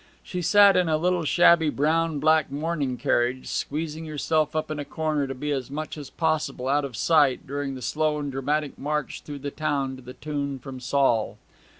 She sat in a little shabby brown black mourning carriage, squeezing herself up in a corner to be as much as possible out of sight during the slow and dramatic march through the town to the tune from Saul.